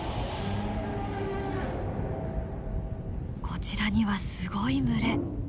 こちらにはすごい群れ。